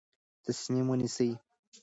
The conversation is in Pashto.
تصمیم ونیسئ.